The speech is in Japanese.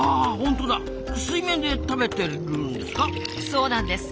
そうなんです。